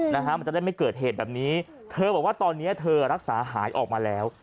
นะฮะมันจะได้ไม่เกิดเหตุแบบนี้เธอบอกว่าตอนนี้เธอรักษาหายออกมาแล้ว